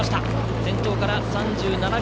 先頭から３７秒。